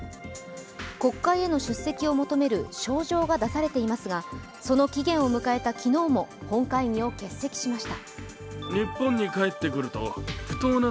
国会への出席を求める招状が出されていますが、その期限を迎えた昨日も本会議を欠席しました。